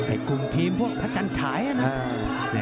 กลุ่มทีมพวกพระจันฉายนะ